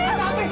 coba teman lain